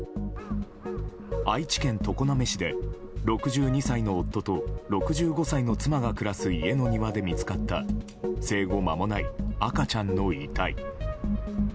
愛知県常滑市で、６２歳の夫と６５歳の妻が暮らす家の庭で見つかった生後間もない赤ちゃんの遺体。